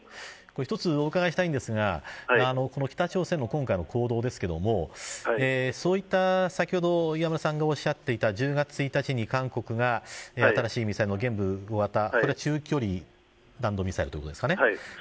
これ一つお伺いしたいんですが北朝鮮の今回の行動ですけれどもそういった、先ほど磐村さんがおっしゃっていた１０月１日に韓国が新しいミサイルの玄武５型これは中距離弾道ミサイルということですかね。